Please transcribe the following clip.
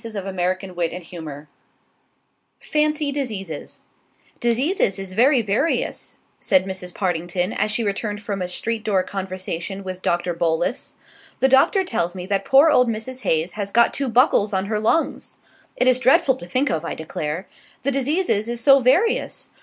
SHILLABER ("Mrs. Partington") FANCY DISEASES "Diseases is very various," said Mrs. Partington, as she returned from a street door conversation with Doctor Bolus. "The Doctor tells me that poor old Mrs. Haze has got two buckles on her lungs! It is dreadful to think of, I declare. The diseases is so various!